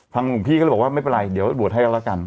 หลวงพี่ก็เลยบอกว่าไม่เป็นไรเดี๋ยวบวชให้ก็แล้วกัน